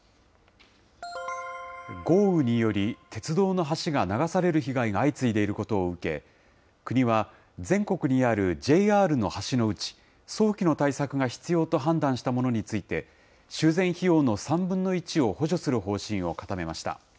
豪雨により鉄道の橋が流される被害が相次いでいることを受け、国は、全国にあるＪＲの橋のうち、早期の対策が必要と判断したものについて、修繕費用の３分の１を補助する方針を固めました。